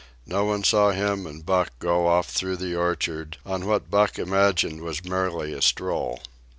No one saw him and Buck go off through the orchard on what Buck imagined was merely a stroll.